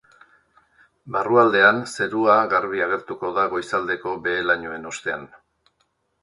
Barrualdean, zerua garbi agertuko da goizaldeko behe-lainoen ostean.